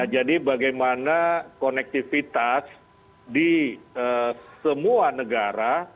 jadi bagaimana konektivitas di semua negara